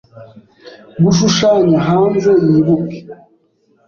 Gushushanya hanze yibuke